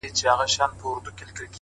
د کوڅې پای کې تیاره تل ژوروالی لري؛